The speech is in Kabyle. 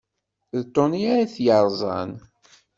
D Tony ay t-yerẓan.